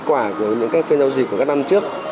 của những các phiên giao dịch của các năm trước